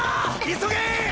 急げ！